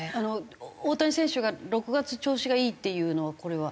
大谷選手が６月調子がいいっていうのはこれは？